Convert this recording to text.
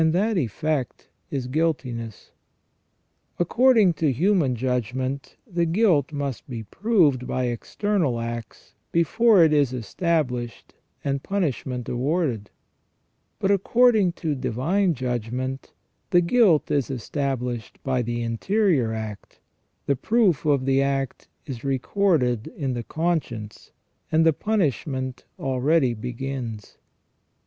that effect is guiltiness.* According to human judgment the guilt must be proved by external acts before it is established and punishment awarded ; but, according to divine judgment the guilt is established by the interior act, the proof of the act is recorded in the conscience, and the punishment already begins.